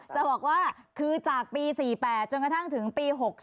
จะบอกว่าคือจากปี๔๘จนกระทั่งถึงปี๖๔